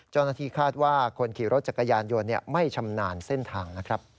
เจ้าหน้าที่คาดว่าคนขี่รถจักรยานยนต์ไม่ชำนาญเส้นทางนะครับ